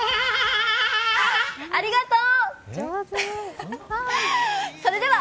ありがとう！